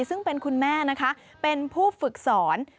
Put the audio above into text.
ซึ่งเป็นคุณแม่นะคะเป็นผู้ฝึกสอน